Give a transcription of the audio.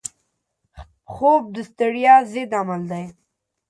خوب د ستړیا ضد عمل دی